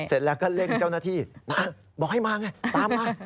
เสร็จแล้วก็เร่งเจ้าหน้าที่นะบอกให้มาไงตามมา